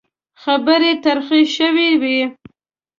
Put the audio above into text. خبرې ترخې شوې وې.